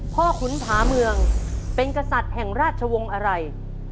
ขุนผาเมืองเป็นกษัตริย์แห่งราชวงศ์อะไร